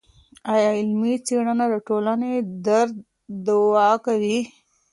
ايا علمي څېړنه د ټولني درد دوا کوي؟